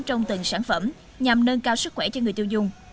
trong từng sản phẩm nhằm nâng cao sức khỏe cho người tiêu dùng